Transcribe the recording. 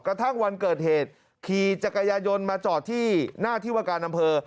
กระทั่งวันเกิดเหตุขี่จักรยายนต์มาจอดที่หน้าที่วการอำเภอ